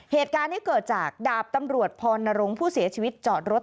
เหตุการณ์นี้เกิดจากดาบตำรวจพรนรงค์ผู้เสียชีวิตจอดรถ